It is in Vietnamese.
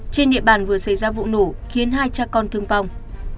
trên địa bàn vừa xảy ra vụ nổ khiến hai cha con thương vong